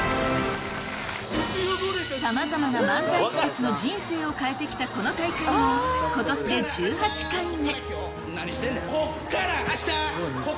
さまざまな漫才師たちの人生を変えてきたこの大会もことしで１８回目。